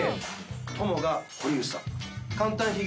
トモが堀内さん。